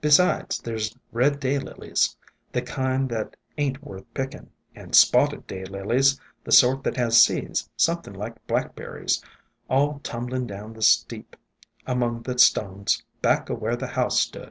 Besides, there 's Red Day Lilies, the kind that ain't worth pickin', and Spotted Day Lilies, the sort that has seeds something like Blackberries, all tumbling down the steep among the stones, back o' where the house stood.